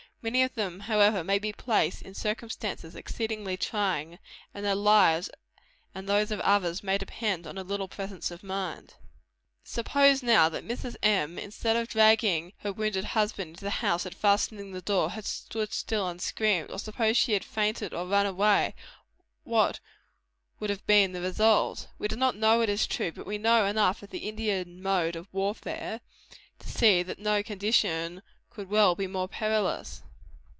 Many of them, however, may be placed in circumstances exceedingly trying; and their lives and those of others may depend on a little presence of mind. Suppose, now, that Mrs. M., instead of dragging her wounded husband into the house and fastening the door, had stood still and screamed; or suppose she had fainted, or run away; what would have been the result? We do not know, it is true; but we know enough of the Indian mode of warfare to see that no condition could well be more perilous.